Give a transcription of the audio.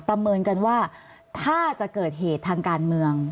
ประเมินกันว่าถ้าจะเกิดเหตุทางการเมือง